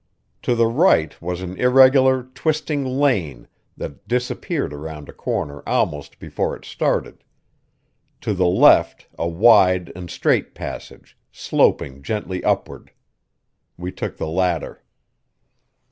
To the right was an irregular, twisting lane that disappeared around a corner almost before it started; to the left a wide and straight passage, sloping gently upward. We took the latter.